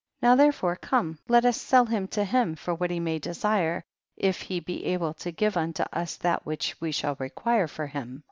4. Now therefore come let us sell him to him for what we may desire, if he be able to give unto us that which we shall require for him.